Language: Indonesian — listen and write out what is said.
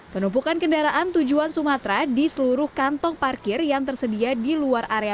penumpukan kendaraan tujuan sumatera di seluruh kantong parkir yang tersedia di luar area